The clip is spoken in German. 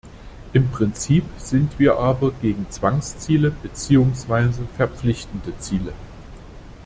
Im Prinzip sind wir aber gegen Zwangsziele beziehungsweise verpflichtende Ziele.